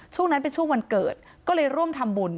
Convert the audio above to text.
ช่วงนั้นเป็นช่วงวันเกิดก็เลยร่วมทำบุญ